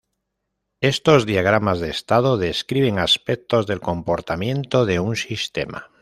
Estos diagramas de estado describen aspectos del comportamiento de un sistema.